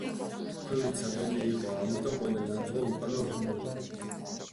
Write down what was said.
ქვევრი ცარიელი იყო. ამიტომ ყველა ლანძღვა უკანვე უბრუნდებოდა.